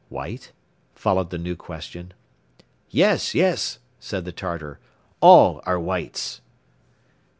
(White?)" followed the new question. "Yes, yes," said the Tartar, "all are Whites."